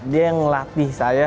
dia yang ngelatih saya